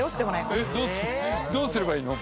どうすればいいの？